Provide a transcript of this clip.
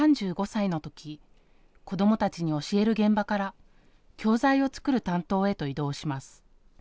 ３５歳の時子どもたちに教える現場から教材を作る担当へと異動します。